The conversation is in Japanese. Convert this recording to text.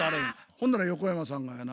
ほんなら横山さんがやな。